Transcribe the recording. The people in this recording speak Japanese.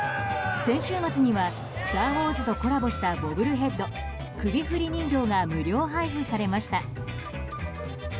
先週末には「スター・ウォーズ」とコラボしたボブルヘッド・首振り人形が無料配布されました。